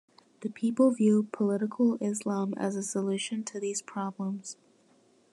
The people view political Islam as a solution to these problems.